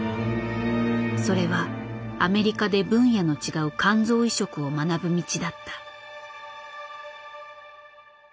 それはアメリカで分野の違う肝臓移植を学ぶ道だった。